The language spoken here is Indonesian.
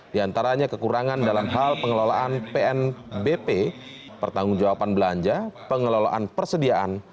di antaranya kekurangan dalam hal pengelolaan pnbp pertanggung jawaban belanja pengelolaan persediaan